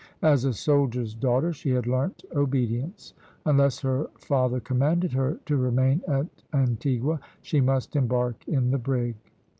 As a soldier's daughter she had learnt obedience. Unless her father commanded her to remain at Antigua, she must embark in the brig.